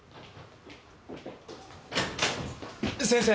・先生！